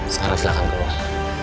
sekarang silahkan berulang